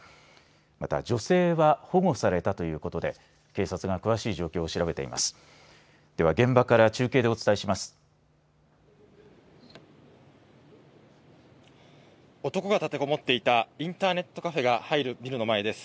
また女性は保護されたということで警察が詳しい状況を調べています。